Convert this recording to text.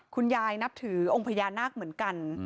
คุณยายนับถือองค์พญานักเหมือนกัน